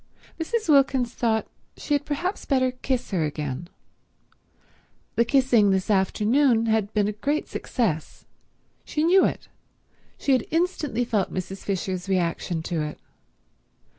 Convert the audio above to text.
Mrs. Wilkins thought she had perhaps better kiss her again. The kissing this afternoon had been a great success; she knew it, she had instantly felt Mrs. Fisher's reaction to it.